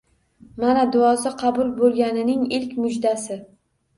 Mana, duosi qabul bo'lganining ilk mujdasi.